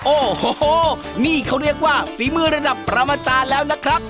โอ้โหนี่เขาเรียกว่าฝีมือระดับประมาจารย์แล้วนะครับ